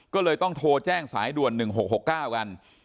ก็เลยต้องโทรแจ้งสายด่วน๑๖๖๙กัน